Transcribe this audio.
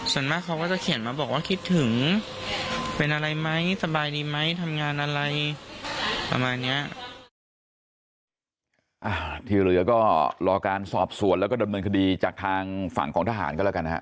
ส่วนมากเขาก็จะเขียนมาบอกว่าคิดถึงเป็นอะไรไหมสบายดีไหมทำงานอะไรประมาณเนี้ย